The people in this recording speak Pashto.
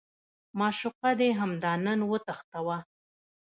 معشوقه دې همدا نن وتښتوه.